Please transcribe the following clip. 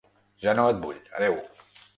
Ja no et vull adeu.